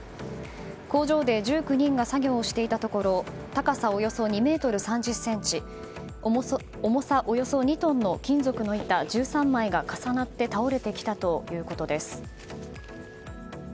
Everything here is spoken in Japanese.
工場で１９人が作業をしていたところ高さおよそ２ｍ３０ｃｍ重さおよそ２トンの金属の板１３枚が重なって倒れてきたということです。